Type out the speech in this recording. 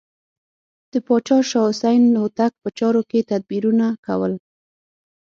د پاچا شاه حسین هوتک په چارو کې تدبیرونه کول.